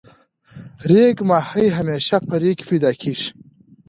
ریګ ماهی همیشه په ریګ کی پیدا کیږی.